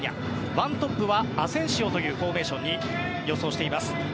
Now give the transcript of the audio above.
１トップはアセンシオというフォーメーションを予想しています。